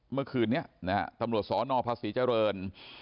เมื่อคืนนี้นะฮะตำรวจสนภาษีเจริญ